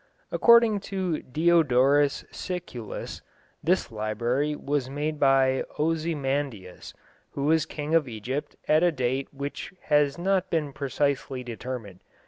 According to Diodorus Siculus, this library was made by Osymandyas, who was king of Egypt at a date which has not been precisely determined.